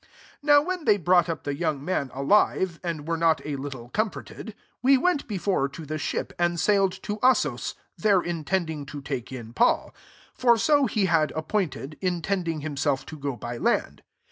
12 Now when they brought up the young man alive ; and were not a little comforted, 13 we went before, to the ship, and sailed to Assos, there intending to take in Paul : for so he had appointed, intending himself to go by land.